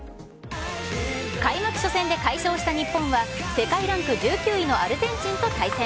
開幕初戦で快勝した日本は世界ランク１９位のアルゼンチンと対戦。